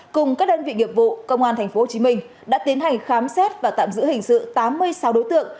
cùng các đơn vị nghiệp vụ công an tp hcm đã tiến hành khám xét và tạm giữ hình sự tám mươi sáu đối tượng